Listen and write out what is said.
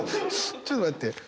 ちょっと待って。